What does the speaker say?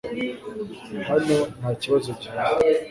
Hano nta kibazo gihari .